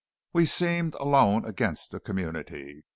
We seemed alone against the community.